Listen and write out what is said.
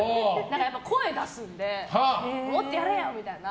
声出すのでもっとやれよ！みたいな。